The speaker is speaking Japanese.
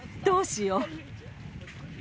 どうしよう？